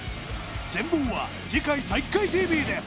全貌は次回体育会ＴＶで！